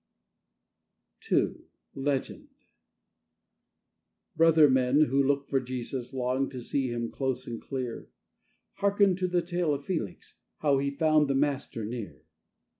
_" II LEGEND Brother men who look for Jesus, long to see Him close and clear, Hearken to the tale of Felix, how he found the Master near.